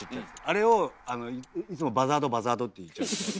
あれをいつも「バザード」「バザード」って言っちゃうんだよね。